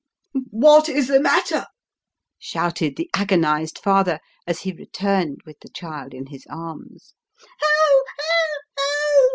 " What is the matter ?" shouted the agonised father, as he returned with the child in his arms. " Oh ! oh ! oh